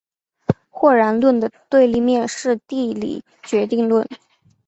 或然论的对立面是地理决定论。